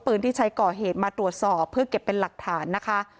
ที่ใช้ก่อเหตุมาตรวจสอบเพื่อเก็บเป็นหลักฐานนะคะ